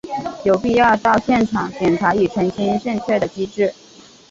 有必要到现场检查以澄清正确的机制。